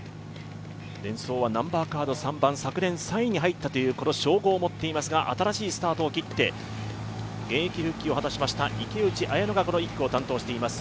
デンソーは昨年３位に入ったという称号を持っていますが新しいスタートを切って現役復帰を果たしました池内彩乃がこの１区を担当しています。